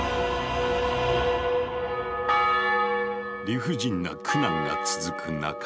理不尽な苦難が続く中